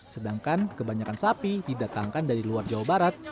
sedangkan kebanyakan sapi didatangkan dari luar jawa barat